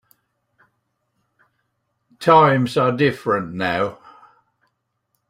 Times are different now.